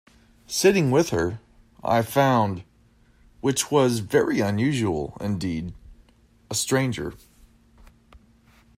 Sitting with her, I found — which was very unusual indeed — a stranger.